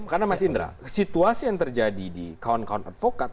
karena mas indra situasi yang terjadi di kawan kawan advokat